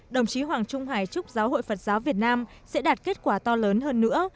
đồng chí hoàng trung hải chúc giáo hội phật giáo việt nam sẽ đạt kết quả to lớn hơn nữa